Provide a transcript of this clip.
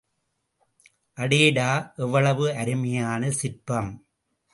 அடடே, எவ்வளவு அருமையான சிற்பம்!